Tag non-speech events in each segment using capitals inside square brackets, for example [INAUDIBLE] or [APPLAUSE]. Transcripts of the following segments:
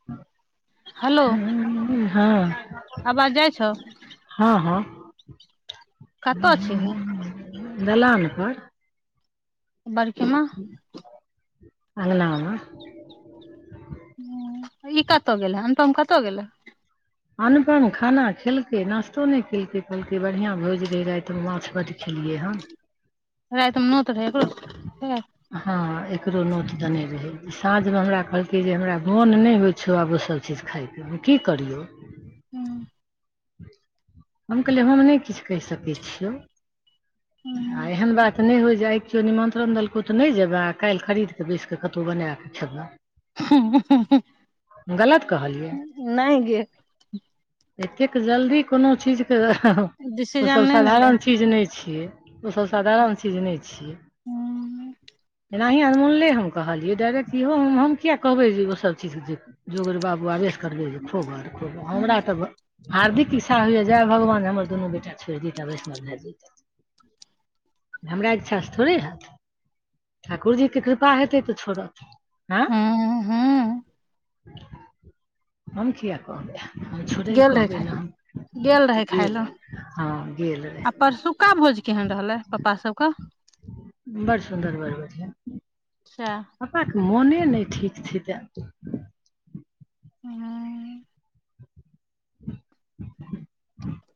[UNINTELLIGIBLE] Hello हँ आब आवाज जाइ छौ हँ हँ कतअ छिही दलान पर बड़की माँ अगना मऽ ई कतऽ गेल ह अनटमे कतऽ गेलै अनपन खाना खेलकै नाश्तो नहि केलकै खलकै बढ़िआँ भोज रहै रातिमे माछ बड खेलियै हन रायतमे नत रहे अकरो सबके हँ एकरो नोत देने रहै साँझमे हमरा कहलकै जे हमरा मोन नहि होइ छौ आब ओ सब चीज खाइके की करियौ हूँ हम कहलियै हम नहि किछ कहि सकै छियौ आ एहन बात नहि हो जाइ केओ निमन्त्रण देलकौ तऽ नहि जेबह आ काल्हि खरीद कऽ बेैस कऽ कतहु बना कऽ खेबै हम गलत कहलियै नहि गे एतेक जल्दी कोनो चीज कऽ ओ डिसीजन सब नहि ने लेल साधारण चीज नय छियै ओ सब साधारण चीज नहि छियै हूँ एनाही अनमूले हम कहलियै डायरेक्ट इहो हम हम किया कहबै जे ओसभ चीज जे जोगर बाबुआबेस करबै जे खो घर खो हमरा तऽ ब हार्दिक इक्षा होइयए जय भगवान हमर दुनू बेटा छोड़ि दैता वैष्णव भए जायतै तऽ हमरा इच्छासँ थोड़े हैत ठाकुर जीे केँ कृपा हेतै तऽ छोड़त हँ हूँ हम किया कहबै हम छोड़ै लऽ गेल रहै [UNINTELLIGIBLE] खाय लए हँ गेल रहै खाय लए गेल रै आ परसुक्का भोज केहन रहलै पपा सब कऽ बड़ सुन्दर बर बढिया सएह पपा कऽ मोने नय ठीक छै तऽ हुँ [INAUDIBLE]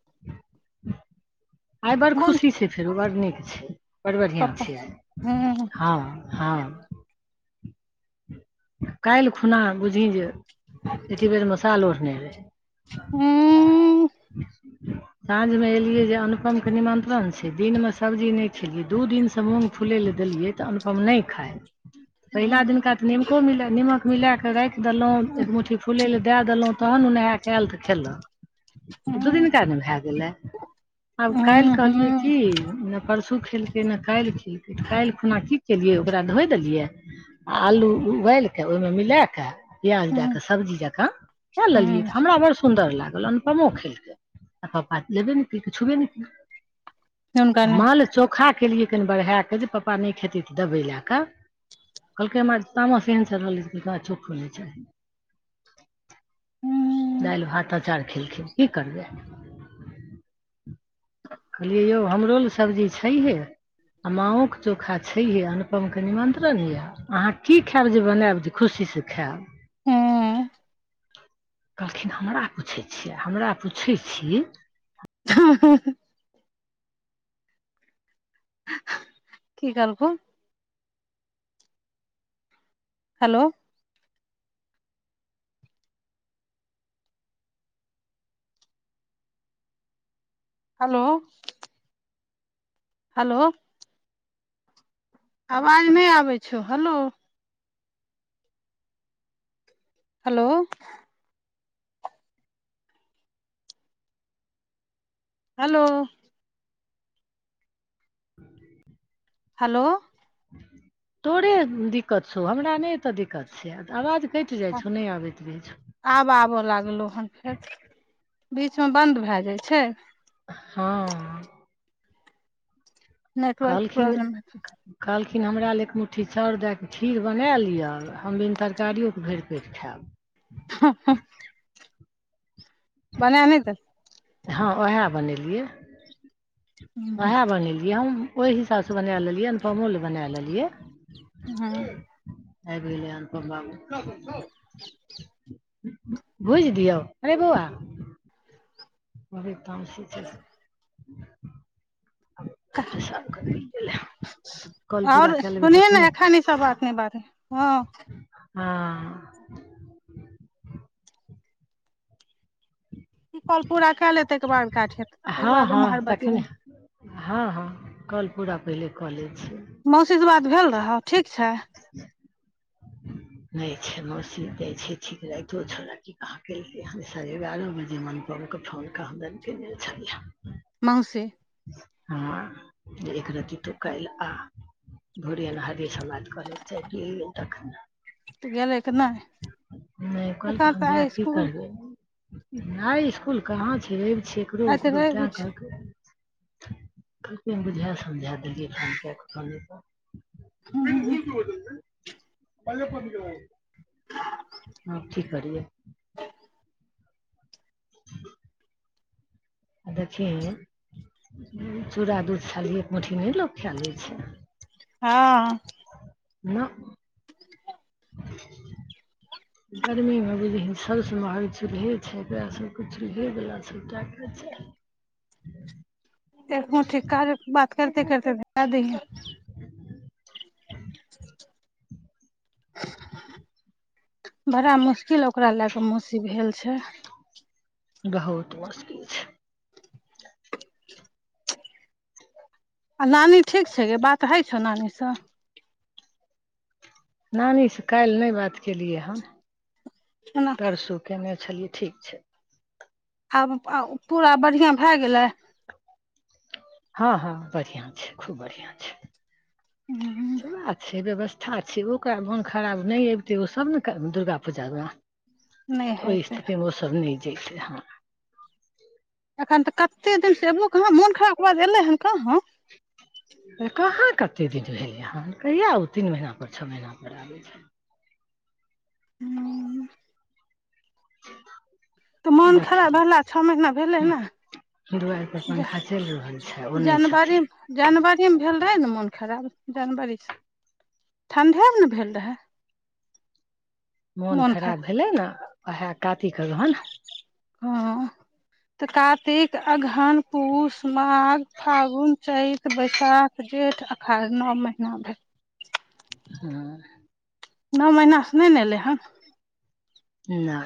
आइ बड़ मोन खुशी छै फेरो बड़ नीक छै बड़ बढ़िया पप्पा छै आय हूँ हँ - हँ काल्हि खुना बुझी जे एते बेर मे साल ओढ़ने रहै हुँ साँझ मे एलिये जे अनुपम कऽ निमंत्रन छै दिन मऽ सब्जी नै खेलियै दू दिन सँ मुंग फुलै लऽ देलियै तऽ अनुपम नै खाय पहिला हूँ दिनका निमको मिला निमक मिला कऽ राइख देलहुँ एक मुट्ठी फुलै लऽ दैय देलहुँ तहन उ नेहा ऐल तऽ खेलक दू हूँ दिनका नऽ भैय गेलै आब काल्हि हूँ कहलिये हूँ की परसू खेलकै नऽ काल्हि खेलकै तऽ काल्हि खुना की केलियै ओकरा धोइ देलियै आ आलू उवाइल कऽ ओहिमे मिला कऽ प्याज दैच हूँ कऽ सब्जी जका खैय लेलियै तऽ हमरा बड़ सुंदर लागल अनुपमो खेलकै आ पपा लेबे नै केलकै छुबे नै केलकै हुनका आ नहि माँ लऽ चौ खा केलियै कनि बरहै कऽ जे पपा नय खेतै तऽ दबै लै कऽ कहलकै हमरा तामस एहन चरहल ऐ जे दाइ चोखो नय चाहि हूँ दाइल, भात, अचार खेलखिन की करबै कहलियै यौ हमरो लऽ सब्जी छैहे आ माँओ कऽ चोखा छैहे अनुपम कऽ निमन्त्रण यऽ अहाँ की खैब जे बनैब जे खुशीसँ खैब हँ कहलखिन हमरा पुछै छियै हमरा पुछै छी हँ [INAUDIBLE] की कहलखुन हलो हलो हलो आवाज नय आबै छौ हलो हलो हलो हलो तोरे दिक्कत छौ हमरा नय एतऽ दिक्कत छै आवाज कइट जाइ छौ नय आबैत रहै छौ आब आबय लागलो हन फेर बीचमे बन्द भए जाइ छैय हँ नेटवर्क कहलखिन प्रॉब्लम कहलखिन हमरा ले एक मुट्ठी चाउर दएके खीर बना लिअ हम तरकारियोके भरि पेट खेएब हँ हँ बनेय नहि दे हँ उएह बनेलियै उएह बनेलियै हम ओहि हिसाब सँ बना लेलियै आहू लए बना लेलियै हँ आइब गेले अनुपम बाबू [INAUDIBLE] भुइज दियौ अरे बौआ कहबे तामशे [UNINTELLIGIBLE] पेशाब करे लऽ गेले हन आओर सुनही नऽ एखन ई सब बात नहि बाजही हँ हँ ई कॉल पूरा कऽ ले तैके बाद काटहीन ते के हँ बाद उम्हर हँ तखने बतीयेहन हँ हँ कॉल पूरा पहिले कऽ ले छीये मौसी सऽ बात भेल रहौ ठीक छै नहि छै मौसी जाइ छै ठीक राइतो छौरा की कहाँ केलकै ह साढ़े एगारह बजे मन अनुपम कऽ फोन कहा दन केने छलियह मौसी हँ जे एक रति तू काल्हि आ भूरे अनहारे समाद कहलक [UNINTELLIGIBLE] तऽ गेलै कि नहि नहि कहलकै एखन हम तऽ आइ जाकऽ की स्कुल करबै आई स्कूल कहाँ छै रवि छै एकरो आइ तऽ ओकरो रवि तैं छै कहलके कहलकै बुझा सुझा देलियै फोन कए कऽ फोने पर [UNINTELLIGIBLE] आब की करियै [UNINTELLIGIBLE] आ देखिही चूड़ा दूध छाली एक मुठी नहि लोक खाय लै छै हँ [UNINTELLIGIBLE] गरमी मे बुझही सभ सँ महग चूल्हे छै ओएह सभके चूल्हे वला सभटा कऽ चाही [INAUDIBLE] एक मुट्ठी कार्य बात करते करते देय [UNINTELLIGIBLE] [UNINTELLIGIBLE] बड़ा मुश्किल ओकरा लए कऽ मौसी भेल छैय [INAUDIBLE] बहुत मुश्किल छै आ नानी ठीक छै गे बात होइ छौ नानी सँ नानी सँ काल्हि नहि बात केलियै हन [UNINTELLIGIBLE] परसू कएयने छलियै ठीक छै आब आ पूरा बढ़िआँ भए गेलैय हँ हँ बढीआ छै खूब बढ़िआ छै [INAUDIBLE] नहि केना छै व्यवस था छै ओकरा मोन खराब नहि अबितै ओ सभ ने करबै दुर्गा पूजा में [INAUDIBLE] ओइ हेतै स्थिति मे ओ सब नै जते ह एखन तऽ कते दिन से एबो कहाँ मोन खराब बाद एलै हन कहाँ कहाँ कतेक दिन भेलै हन कहिआा ओ तीन महीना पर छओ महीना पर आबै छै [UNINTELLIGIBLE] तऽ मोन खराब देखियौ भेला छ महीना भेलै नै दुआर पर पंखा चैल रहल छै ओ नै छै जनवरी जनवरी मे भेल रहै ने मोन खराब जनवरी सँ [INAUDIBLE] ठण्डे मे न भेल रहै मोन खराब भेलै न उएह कातिक अगहन [INAUDIBLE] हँ तऽ कातिक अगहन पूस माघ फागुन चैत बैसाख जेेठ अखार नौ महीना भैले [INAUDIBLE] हँ नौ महिना से नै न एलै हन नै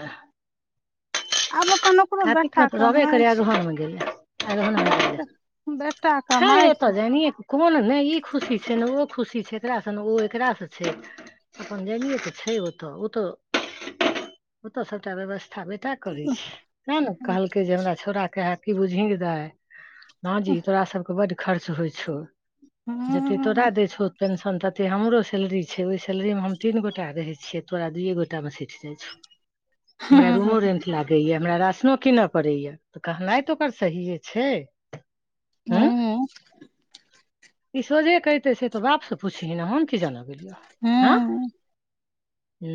[UNINTELLIGIBLE] कातिक म बेटा तऽ रहबे कमाइ करै छै अगहन म गेलै [UNINTELLIGIBLE] बेटा बेटा कमाइ छै को ने नहि ई खुशी छै ने ओ खुशी छै एकरासँ ने ओ एकरासँ छै अपन जाइनिए कऽ छै ओतऽ ओतऽ [INAUDIBLE] ओतऽ सभटा व्यवस्था ठा बेटा करै छै तेँ ने हूँ कहलकै जे हमरा छोरा कहै की बुझही गए दाय माँजी तोरा सबके बड खर्च होइ छौ [INAUDIBLE] जतीे तोरा हूँ दे छौ पें शन तते हमरो सैलरी छै ओइ सैलरीमे हम तीन गोटा रहै छियै तोरा दुइए गोटामे सइठ जाइ छौ [INAUDIBLE] हमरा हूँ रूमो रेंट लागैय हमरा र शनै कीन पड़ैया कहनाइ तऽ ओकर सहीए छै [INAUDIBLE] ई सौझे कहै से तऽ बाप से पूछही हम कियान गेलियों हँ [INAUDIBLE] हूँ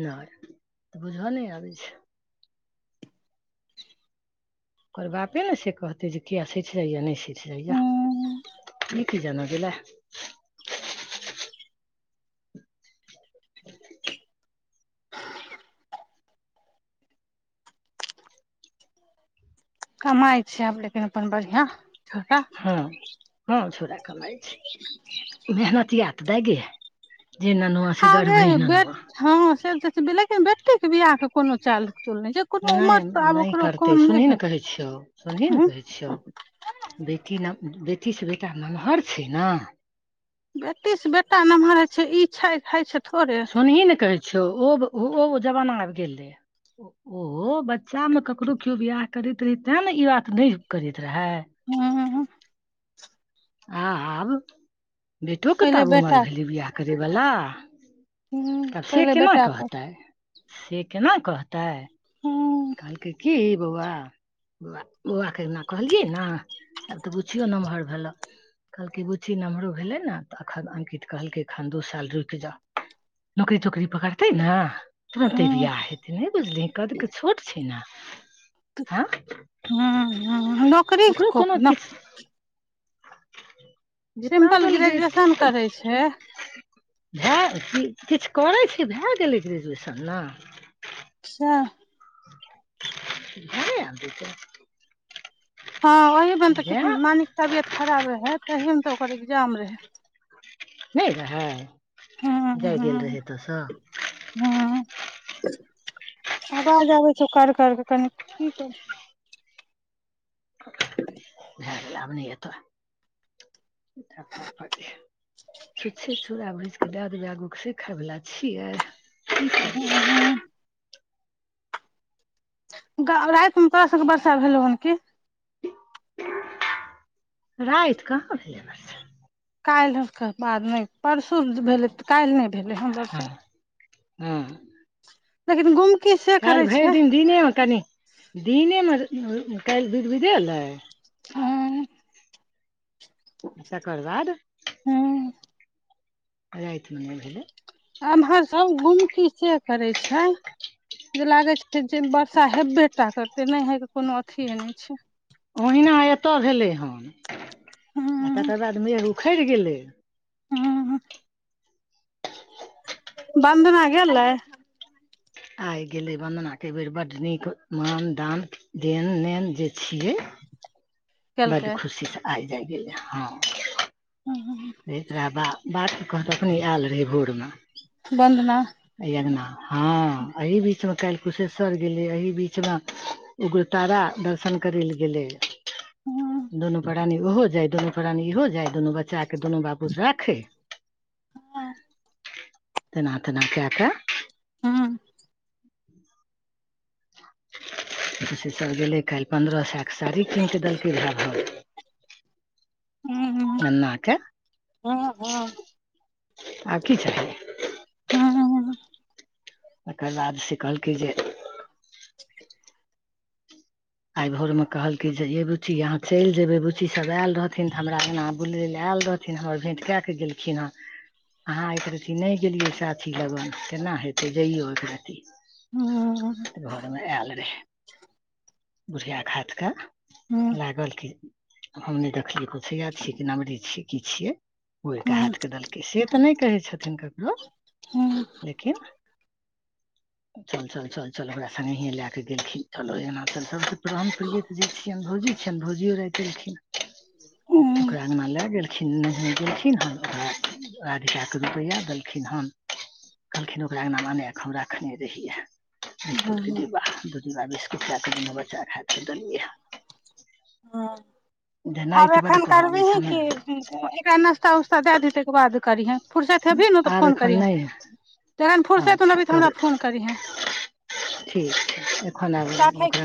नै [INAUDIBLE] बुजह नहि आबै छै ओकर बापे न से कहतै जे किया सिसरै यऽनै सिठरे यऽ हूँ ई कियान गेलै कमाइ छै आब लेकिन अपन बढ़िआं छोटा हँ हँ छोड़ा कमाइ छै [INAUDIBLE] मेहनतिया दैय गे [INAUDIBLE] हे ननुआ से गर्भ आगे बेट ननुआ हँ से तऽ लेकिन बेटी केँ बियाहकेँ कोनो चाल चूल नहि छै कोनो नै उमर तऽ आब नै ओकरो करतै कम नहि सुनही न भेल कहै छियौ सुनही न ह कहै छियौ बेटी न बेटीसँ बेटा नमहर छै न बेटीस बेटा नमहर होइ छै ई छै है छै थोड़े सुनही न कहै छियौ ओ ओ जमाना आब गेलै ओ बच्चामे ककरो केओ बियाह करैत रहै तें न ई बात नहि करैत रहए हँ [INAUDIBLE] आब [INAUDIBLE] बेटो कऽ तऽ पहिले आब बेटा उमर भेलै बियाह करयवला हूँ तब से पहिले केना बेटा के कहतै [INAUDIBLE] से केना कहतै हूँ कहलैक की बौआ बौआ बौआके एक दिन कहलियै नऽ आब तऽ पुछिियो नमहर भेलहु कहलकै बुच्ची नम्हरो भेलै ने तऽ एखन अंकित कहलकै एखन दू साल रुकि जाउ नौकरी तोकरी पकड़तै नऽ तुरते हूँ भीह हेतय नहि बुझल कऽ हूँ हूँ नौकरी ओकरो को कोनो किछ सिम्पल ग्रेजुएशन करै छै [UNINTELLIGIBLE] भए किछु करै छी भए गेलै ग्रेजुएशन नऽ अच्छा घरे आब जेतय हँ ओहमे तऽ भए मानिक तबियत खराब रहै तह तऽ ओकर एग्जाम रहै नहि रहय हँ जाए गेल रहै अतसऽ हँ आवाज आबै छै कर कर कऽ कनि की कर भेय गेलिय नहि एतऽ छुचछे चुरा भुज दाद बगू सऽ खाय बला छियै। हँ हँ राति मऽ तोरा सबके वर्षा भेलौ हन कि राति कहाँ भेलै वर्षा काल्हिके बाद नहि परसू भेलै तऽ का---ल्हि नहि भेलै हन वर्षा हँ हँ लेकिन गुमकी से। काल्हि करै भरि छै दिन दिनेमे कनि दिनेमे काल्हि विध बिधेलै हँ तकर बाद। हँ राते मऽ नय भेलै। आमहर सब घूमकी से करे छै। जे लागै छै जे वर्षा हेबेटा करते नहि होे? के कोनो अथिे नहि छै ओहिना एतय भेलै हन आ हँ तकर बाद मेघ उखड़ि गेलै हँ बन्दना गेलय आइ गेले वन्दना के बेर बड्ड नीक मान दान देन नेन जे छिये बड केलकै खुशीसँ आइ जाइ गेलै हँ। [UNINTELLIGIBLE] [UNINTELLIGIBLE] तोरा बा बात कह तखने आयल रही भोरमे बन्दना ऐ अंगना हँ एही बीचमे काल्हि कुशेश्व---र गेलियै एही बीचमे उग्रतारा दर्शन करै लए गेले हूँ दुनू प्राणी ओहो जाय दुनू प्राणी इहो जा। य दुनू बच्चा दुनू बापूत राखे। जेना तेना कय कऽ हँ तऽ सऽ सभ गेलै काल्हि पन्द्रह सएके साड़ी कीनि कऽ देलकै भाय भाव गन्ना के आब की चाहि हँ हँ तकर बाद सऽ कहलकै जे आइ भोर में कहलक जे ये बुच्ची यहाँ चलि जेबे बुच्ची सब आयल रहथिन तऽ हमरा एना बुलय ले आयल रहथिन हमर भेंट कए कऽ गेलखिन हेँ अहाँ एक रति नहि गेलियै साथी लगन केना हेतै जइयो एकरति घरमे आयल रहे। बुढ़िया खाात के लागल की हम नहि देखलियै दूछैया छियै कि नमरी छियै की छियै ओ हाथ के देलकै से नहि कहै छथि ककरो लेकिन चल चल चल चल ओकरा सङ्गे हे लए क गेलखिन चल एना चल ब्रह्म प्रिय जे छियनि भौजी छियनि भौजियो राति एेलखिन ओकरा अंगगना लए गेल खिन गेलखिन हन ओकराधिका कऽ रुपैआ देलखिन हन कहलखिन ओकरा अंगना मान। हम रखने रहियै बिस्कुटके डिब्ा दू ि्ा बिस्कुट कए कऽ दुनू बच्चा खा छै देलियै ह जे आब नाति बड्ड एखन कहऽ अबै छै करबीही की। हमरा एकरा नास्ता उस्ता दए दिही तकर बाद करिहे। फुरसैत हेबही ने तऽ आब फोन एखन करिहे नहि जखन फुरसैत ने अच्छा अबही तऽ हमरा करू फोन करिहे ठीक छै एखन आ छी ओ